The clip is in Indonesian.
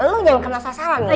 lu jangan kena salah salah nih